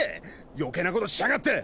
余計なことしやがって！